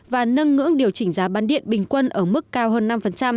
và nâng ngưỡng điều chỉnh giá bán điện bình quân ở mức cao hơn năm